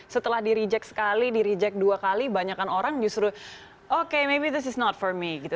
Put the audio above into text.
setelah di reject sekali di reject dua kali banyak orang justru oke mungkin ini bukan untuk aku